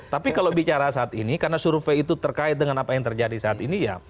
tapi kalau bicara saat ini karena survei itu terkait dengan apa yang terjadi saat ini ya